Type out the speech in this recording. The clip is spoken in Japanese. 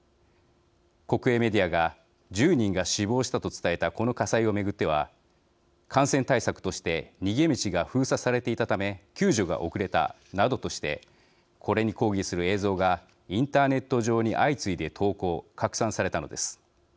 国営メディアが１０人が死亡したと伝えたこの火災を巡っては感染対策として逃げ道が封鎖されていたため救助が遅れたなどとしてこれに抗議する映像がインターネット上に相次いで投稿、拡散されたのです。